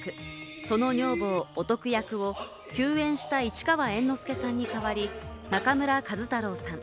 その女房・おとく役を休演した市川猿之助さんに代わり、中村壱太郎さん。